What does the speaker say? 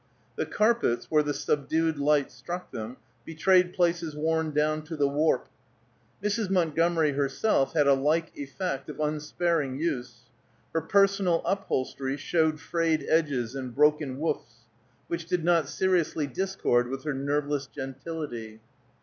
The carpets, where the subdued light struck them, betrayed places worn down to the warp. Mrs. Montgomery herself had a like effect of unsparing use; her personal upholstery showed frayed edges and broken woofs, which did not seriously discord with her nerveless gentility.